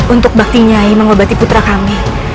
untuk bakti nyai mengobati putra kami